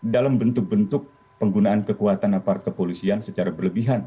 dalam bentuk bentuk penggunaan kekuatan aparat kepolisian secara berlebihan